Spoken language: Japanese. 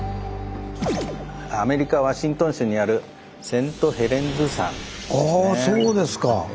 アメリカワシントン州にあるああそうですか！